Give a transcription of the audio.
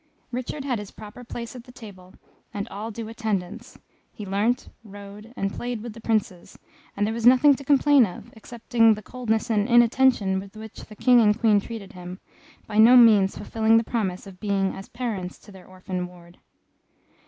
Richard had his proper place at table, and all due attendance; he learnt, rode, and played with the Princes, and there was nothing to complain of, excepting the coldness and inattention with which the King and Queen treated him, by no means fulfilling the promise of being as parents to their orphan ward.